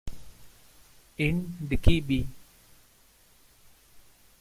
In Dickey, B.